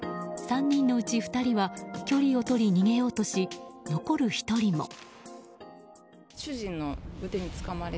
３人のうち２人は距離を取り逃げようとし残る１人も。